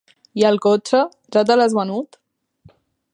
I el cotxe, ja te l'has venut?